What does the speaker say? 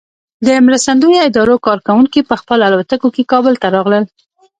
د مرستندویه ادارو کارکوونکي په خپلو الوتکو کې کابل ته راغلل.